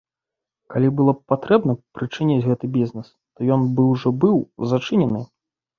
Калі было б патрэбна прычыніць гэты бізнэс, то ён бы ўжо быў зачынены.